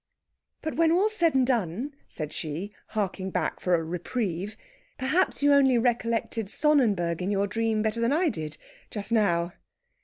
"But when all's said and done," said she, harking back for a reprieve, "perhaps you only recollected Sonnenberg in your dream better than I did ... just now...."